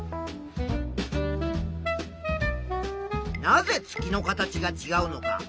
なぜ月の形がちがうのか。